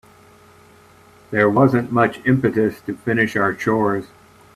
There wasn't much impetus to finish our chores.